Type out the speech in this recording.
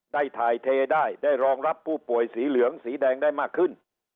ได้ถ่ายเทได้ได้รองรับผู้ป่วยสีเหลืองสีแดงได้มากขึ้น